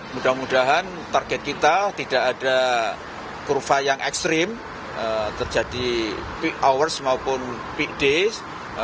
mudah mudahan target kita tidak ada kurva yang ekstrim terjadi peak hours maupun peak days